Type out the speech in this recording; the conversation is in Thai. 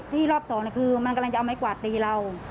รอบสองคือมันกำลังจะเอาไม้กวาดตีเรา